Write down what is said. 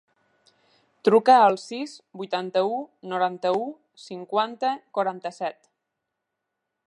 Truca al sis, vuitanta-u, noranta-u, cinquanta, quaranta-set.